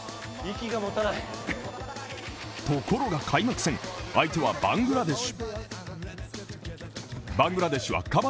ところが開幕戦、相手はバングラデシュ。